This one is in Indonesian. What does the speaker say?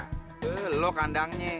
keh lo kandangnya